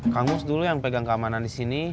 kamus dulu yang pegang keamanan di sini